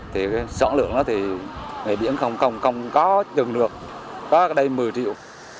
thì cái sản lượng đó thì ngày biển không có chừng được có đầy một mươi triệu